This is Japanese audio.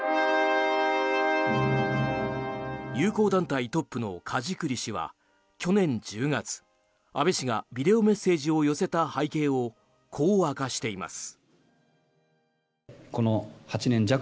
友好団体トップの梶栗氏は去年１０月安倍氏がビデオメッセージを寄せた背景をこう明かしています。